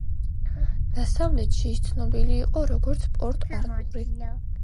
დასავლეთში ის ცნობილი იყო როგორც პორტ-არტური.